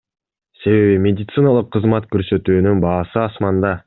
Себеби медициналык кызмат көрсөтүүнүн баасы асманда.